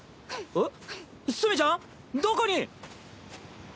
えっ？